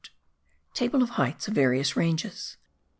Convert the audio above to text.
TABLE OF HEIGHTS OF VARIOUS RANGES.